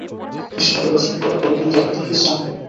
খ্রীষ্টকে দর্শন কর, তবে তুমি যথার্থ খ্রীষ্টান হবে।